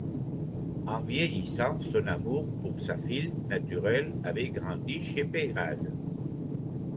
En vieillissant, son amour pour sa fille naturelle avait grandi chez Peyrade.